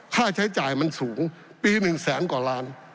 ค่าใช้จ่ายมันสูงปี๑แสนกว่าล้าน